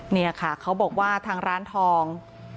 นี่ค่ะเขาบอกว่าทางร้านทอง